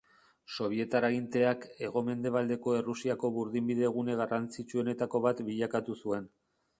Sobietar aginteak hego-mendebaldeko Errusiako burdinbide-gune garrantzitsuenetako bat bilakatu zuen.